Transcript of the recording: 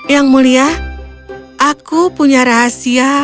yang mulia aku punya rahasia